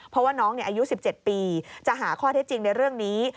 เพราะว่าน้องอายุ๑๗ปีจะหาข้อเท็จจริงในเรื่องนี้